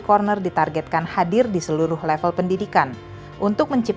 kestabilan ekonomi secara merata pun akan tercapai